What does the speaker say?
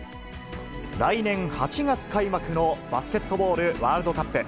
来年８月開幕のバスケットボールワールドカップ。